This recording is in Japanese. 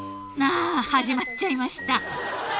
始まっちゃいました］